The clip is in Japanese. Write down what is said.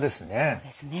そうですね。